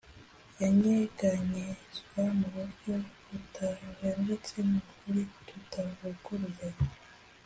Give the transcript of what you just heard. yanyeganyezwa mu buryo butajenjetse n'ukuri kutavuguruzanya,